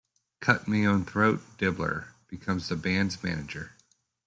Cut-Me-Own-Throat Dibbler becomes the Band's manager.